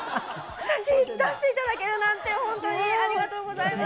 私、出していただけるなんて、本当に、ありがとうございます。